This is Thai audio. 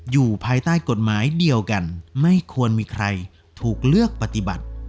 อยู่ภายใต้กฎหมายเดียวกันไม่ควรมีใครถูกเลือกปฏิบัติ